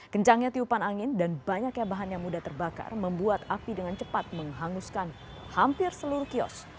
kencangnya tiupan angin dan banyaknya bahan yang mudah terbakar membuat api dengan cepat menghanguskan hampir seluruh kios